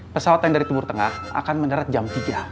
pesawat yang dari timur tengah akan mendarat jam tiga